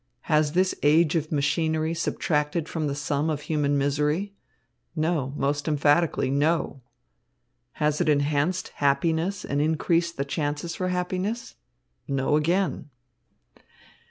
Has this age of machinery subtracted from the sum of human misery? No, most emphatically, no! Has it enhanced happiness and increased the chances for happiness? No, again."